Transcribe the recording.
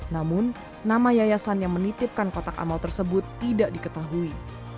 namun nama yayasan yang menitipkan kotak amal tersebut tidak diketahui